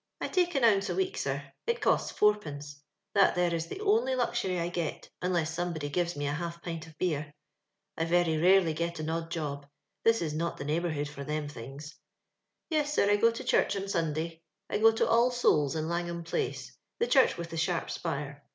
I tiike an ounce a week. sir ; it costs fourpence — that there is the only luxury I get, unless somebody gives me a half pint of beer. " I very rarely get an odd job, this is not the neighbourhood for them things. *' Yes, sir, I go to church on Run<lay ; I go to All Souls', in Langham place, the church I with the sharp spire.